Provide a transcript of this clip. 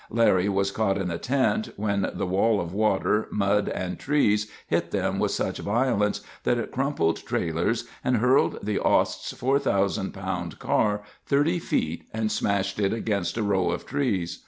Larry was caught in the tent when the wall of water, mud, and trees hit them with such violence that it crumpled trailers and hurled the Osts' 4,000 pound car thirty feet and smashed it against a row of trees.